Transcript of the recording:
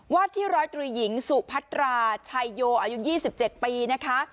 ที่ร้อยตรีหญิงสุพัตราชัยโยอายุ๒๗ปีนะคะ